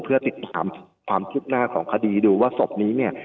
เพื่อติดตามความคืบหน้าของคดีดูว่าศพนี้เนี่ย